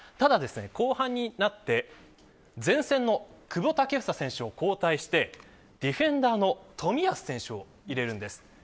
後半になって前線の久保建英選手を交代してディフェンダーの冨安選手を入れます。